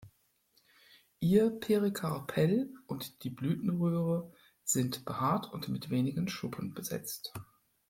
Ihr Perikarpell und die Blütenröhre sind behaart und mit wenigen Schuppen besetzt.